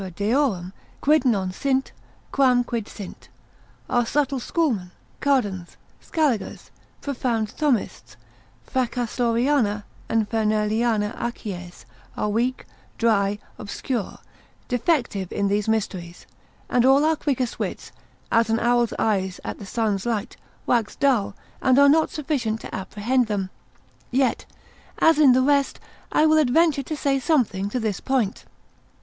deorum, quid non sint, quam quid sint, our subtle schoolmen, Cardans, Scaligers, profound Thomists, Fracastoriana and Ferneliana acies, are weak, dry, obscure, defective in these mysteries, and all our quickest wits, as an owl's eyes at the sun's light, wax dull, and are not sufficient to apprehend them; yet, as in the rest, I will adventure to say something to this point.